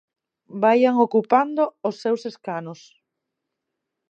Vaian ocupando os seus escanos.